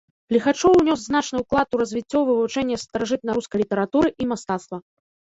Ліхачоў ўнёс значны ўклад у развіццё вывучэння старажытнарускай літаратуры і мастацтва.